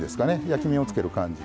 焼き目をつける感じ。